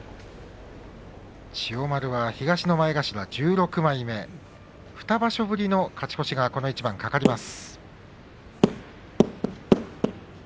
千代丸は東の前頭１６枚目２場所ぶりの勝ち越しがこの一番、懸かります。